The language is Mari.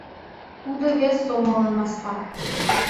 Тудо вес сомыллан мастар.